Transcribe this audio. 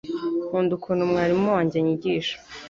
nkunda ukuntu mwalimu wanjye anyigisha